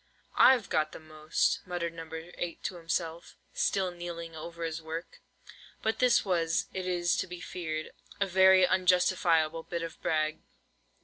"I've got the most," muttered No. 8 to himself, still kneeling over his work. But this was, it is to be feared, a very unjustifiable bit of brag.